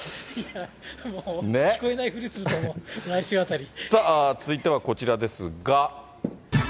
聞こえないふりすると思う、さあ、続いてはこちらですが。